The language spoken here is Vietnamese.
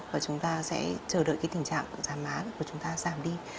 và chúng ta sẽ chờ đợi tình trạng giám má của chúng ta giảm đi